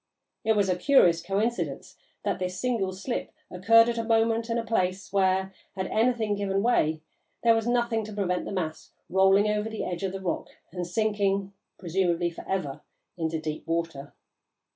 It was a curious coincidence that this single slip occurred at a moment and a place where, had anything given way, there was nothing to prevent the mass rolling over the edge of the rock and sinking, presumably for ever, into deep water.